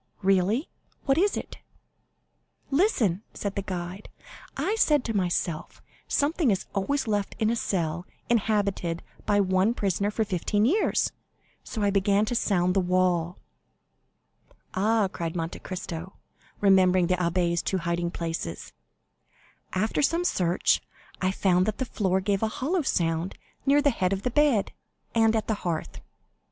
"Really? What is it?" "Listen," said the guide; "I said to myself, 'Something is always left in a cell inhabited by one prisoner for fifteen years,' so I began to sound the wall." "Ah," cried Monte Cristo, remembering the abbé's two hiding places. "After some search, I found that the floor gave a hollow sound near the head of the bed, and at the hearth."